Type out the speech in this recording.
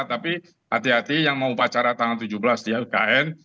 tapi hati hati yang mau upacara tahun dua ribu tujuh belas di ikn